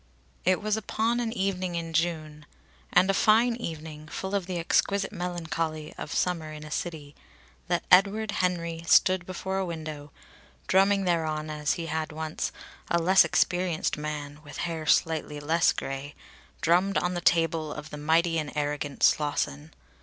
It was upon an evening in June and a fine evening, full of the exquisite melancholy of summer in a city that Edward Henry stood before a window, drumming thereon as he had once, a less experienced man with hair slightly less gray, drummed on the table of the mighty and arrogant Slosson.